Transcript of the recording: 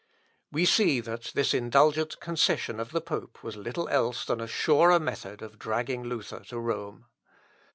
We see that this indulgent concession of the pope was little else than a surer method of dragging Luther to Rome.